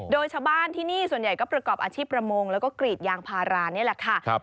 โดยชาวบ้านที่นี่ส่วนใหญ่ก็ประกอบอาชีพประมงแล้วก็กรีดยางพารานี่แหละค่ะ